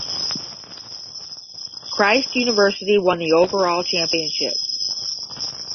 Christ University won the overall championship.